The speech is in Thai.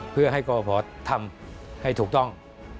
เพื่อให้กรพทำให้ถูกต้อง